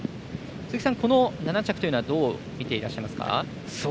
鈴木さん、この７着というのはどう見ていますか？